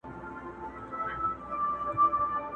په تېرو غاښو مي دام بيرته شلولى!!